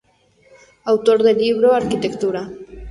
Autor del Libro: “Arquitectura.